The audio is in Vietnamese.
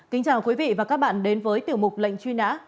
kính chào quý vị và các bạn đến với tiểu mục lệnh truy nã